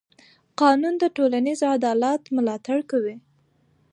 قانون د ټولنیز عدالت ملاتړ کوي.